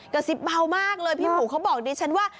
กระซิบเบามากเลยพี่หมูเขาบอกดิฉันว่า